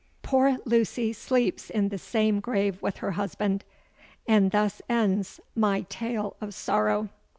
Poor Lucy sleeps in the same grave with her husband; and thus ends my TALE OF SORROW."